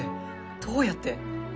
どうやって？